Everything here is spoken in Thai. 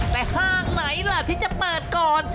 แต่ห้างไหนล่ะที่จะเปิดก่อน